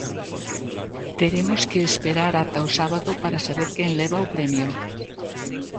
Teremos que esperar ata o sábado para saber quen leva o premio.